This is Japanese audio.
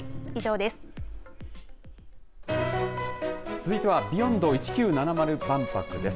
続いてはＢｅｙｏｎｄ１９７０万博です。